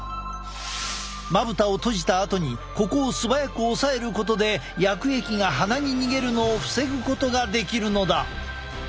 まぶたを閉じたあとにここをすばやく押さえることで薬液が鼻に逃げるのを防ぐことができるのだ！